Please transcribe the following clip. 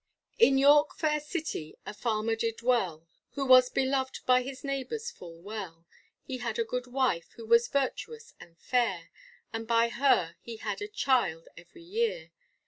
In York fair city a farmer did dwell, Who was belov'd by his neighbours full well; He had a good wife who was virtuous and fair, And by her he had a child every year.